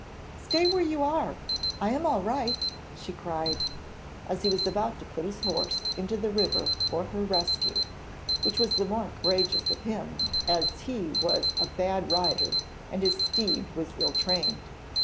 'Stay where you are! I am all right,' she cried, as he was about to put his horse into the river for her rescue, which was the more courageous of him, as he was a bad rider and his steed was ill trained.